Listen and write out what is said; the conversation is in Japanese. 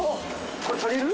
これ足りる？